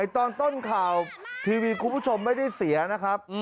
ตอนต้นข่าวทีวีคุณผู้ชมไม่ได้เสียนะครับ